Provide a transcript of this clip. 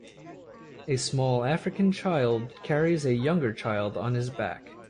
A small African child carries a younger child on his back.